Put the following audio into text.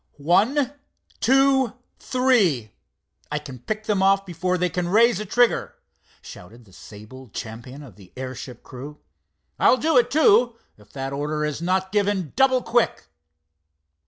"One, two, three—I can pick them off before they can raise a trigger!" shouted the sable champion of the airship crew. "I'll do it, too, if that order is not given double quick."